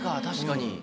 確かに。